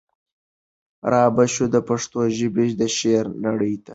را به شو د پښتو ژبي د شعر نړۍ ته